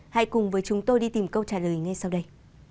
hãy cùng với chúng tôi đi tìm câu trả lời ngay sau đây